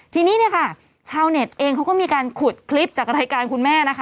ทีนี้เนี่ยค่ะชาวเน็ตเองเขาก็มีการขุดคลิปจากรายการคุณแม่นะคะ